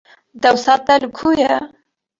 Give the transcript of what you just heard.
Dewsa te li ku ye?